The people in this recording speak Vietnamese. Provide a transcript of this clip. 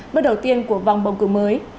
bước đầu tiên của vòng bầu cử mới